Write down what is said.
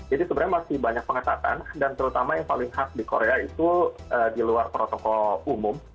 jadi sebenarnya masih banyak pengetahuan dan terutama yang paling hak di korea itu di luar protokol umum